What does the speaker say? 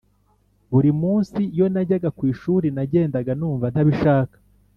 Burimunsi iyo najyaga kwishuri nagendaga numva ntabishaka